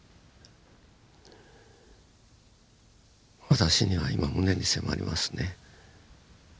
私には今胸に迫りますね。